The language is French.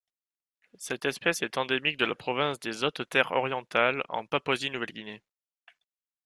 Cette espèce est endémique de la province des Hautes-Terres orientales en Papouasie-Nouvelle-Guinée.